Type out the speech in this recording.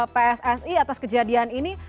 pssi atas kejadian ini